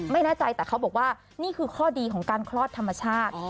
ไม่แน่ใจแต่เขาบอกว่านี่คือข้อดีของการคลอดธรรมชาติ